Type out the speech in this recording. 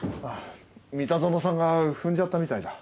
三田園さんが踏んじゃったみたいだ。